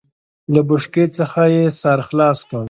له بوشکې څخه يې سر خلاص کړ.